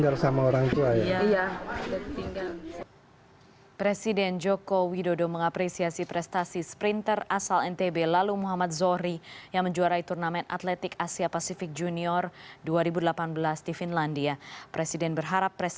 kamu sudah membuat sejarah baru